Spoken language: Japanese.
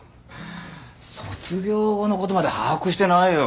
卒業後のことまで把握してないよ。